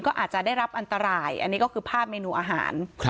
ก็อาจจะได้รับอันตรายอันนี้ก็คือภาพเมนูอาหาร